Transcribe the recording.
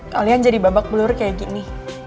kalian jadi babak belur kayak gini